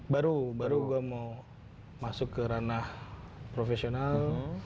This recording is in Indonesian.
baru baru gue mau masuk ke ranah profesional